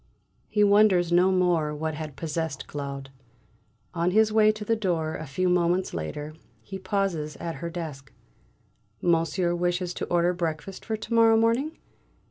He wonders no more what had possessed Claude. On his way to the door a few moments later, he pauses at her desk. "Monsieur wishes to order breakfast for to morrow morning?"